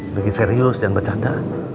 bagi serius jangan bercanda